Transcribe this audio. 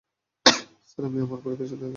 Sir, আমি আমার পরিবারের সাথে থাকি।